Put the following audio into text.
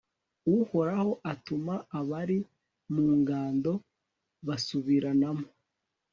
uhoraho atuma abari mu ngando basubiranamo